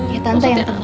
ya tante yang tenang ya